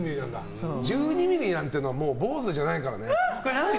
１２ｍｍなんていうのはもう坊主じゃないからね。